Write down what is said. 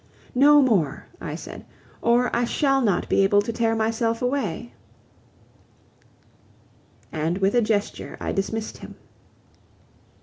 "No more," I said, "or I shall not be able to tear myself away." And with a gesture I dismissed him.